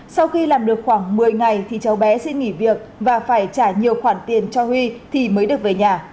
sau khi làm được khoảng một mươi ngày thì cháu bé xin nghỉ việc và phải trả nhiều khoản tiền cho huy thì mới được về nhà